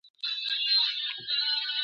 جانان ته تر منزله رسېدل خو تکل غواړي!!